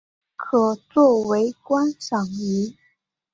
可做为观赏鱼。